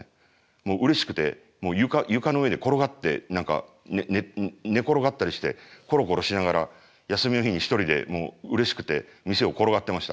もううれしくて床の上で転がって何か寝転がったりしてコロコロしながら休みの日に一人でうれしくて店を転がってました。